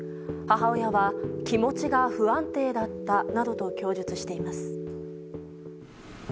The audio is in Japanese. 母親は気持ちが不安定だったなどと供述しています。